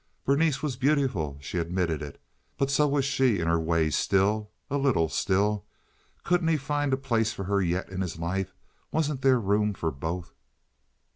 Berenice was beautiful, she admitted it, but so was she in her way still—a little, still. Couldn't he find a place for her yet in his life? Wasn't there room for both?